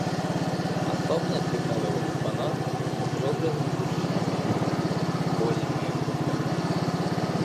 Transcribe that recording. Асобна цікавіў экспанат, зроблены вучнямі восьмай групы.